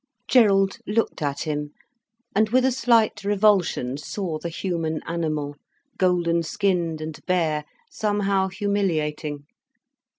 Gerald looked at him, and with a slight revulsion saw the human animal, golden skinned and bare, somehow humiliating.